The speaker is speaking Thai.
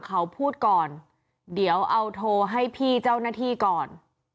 เขาพูดก่อนเดี๋ยวเอาโทรให้พี่เจ้าหน้าที่ก่อน